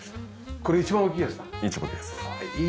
これ一番大きいやつだ。